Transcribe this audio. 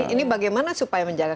ini bagaimana supaya menjaga